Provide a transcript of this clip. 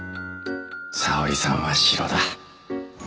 沙織さんはシロだ。